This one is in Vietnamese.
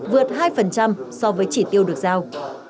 vượt hai so với chỉ tiêu được giao